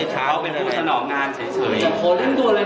แมมเอ่ยร้ายผู้ใหญ่เขาก็ทนมาเป็นฟิฟวี